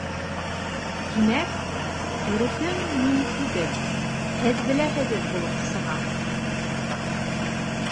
Тимәк, дөрөҫөн мин түгел, һеҙ беләһегеҙ булып сыға?